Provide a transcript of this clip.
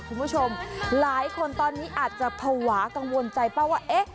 คุณผู้ชมหลายคนตอนนี้อาจจะภาวะกังวลใจเปล่าว่าเอ๊ะ